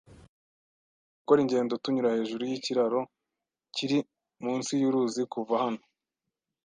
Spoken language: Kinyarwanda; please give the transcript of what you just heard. Tugomba gukora ingendo tunyura hejuru yikiraro kiri munsi yuruzi kuva hano.